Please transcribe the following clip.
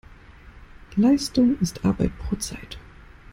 Leistung ist Arbeit pro Zeit.